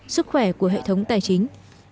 sức khỏe của hệ thống tài chính